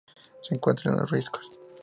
Se encuentra en los riscos.